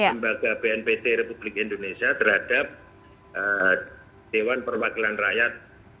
lembaga bnpt republik indonesia terhadap dewan perwakilan rakyat